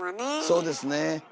そうですねえ。